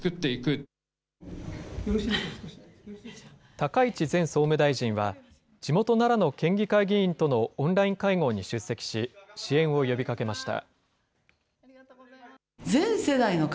高市前総務大臣は、地元、奈良の県議会議員とのオンライン会合に出席し、支援を呼びかけました。